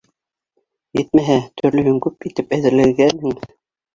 Етмәһә, төрлөһөн күп итеп әҙерләгәнһең.